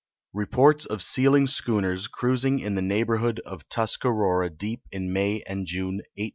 REPORTS OF SEALING SCHOONERS CRUISING IN THE NEIGHBORHOOD OF TUSCARORA DEEP IN MAY AND JUNE, 1896 .